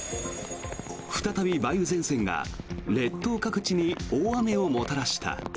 再び梅雨前線が列島各地に大雨をもたらした。